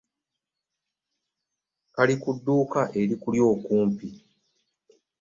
Kali ku dduuka erikuli okumpi.